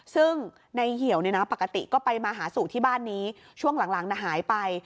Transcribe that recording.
ซึ่งในเหี่ยวเนี่ยนะปกติก็ไปมาหาสู่ที่บ้านนี้ช่วงหลังหายไป